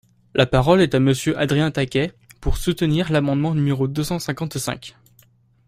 La parole est à Monsieur Adrien Taquet, pour soutenir l’amendement numéro deux cent cinquante-cinq.